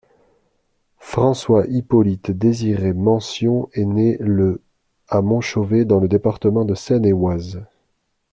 François Hippolyte Désiré Mantion est né le à Montchauvet dans le département de Seine-et-Oise.